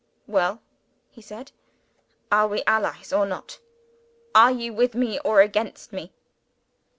"Well?" he said. "Are we allies, or not? Are you with me or against me?"